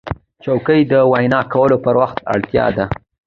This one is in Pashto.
چوکۍ د وینا کولو پر وخت اړتیا ده.